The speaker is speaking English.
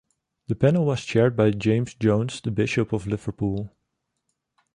The panel was chaired by James Jones, the Bishop of Liverpool.